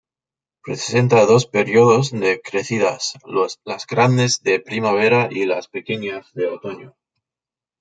Presenta dos períodos de crecidas, las grandes de primavera y las pequeñas de otoño.